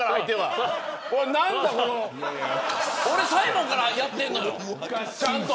俺サイモンからやっているのよちゃんと。